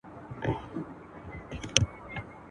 د مورګني ټولنیز نظام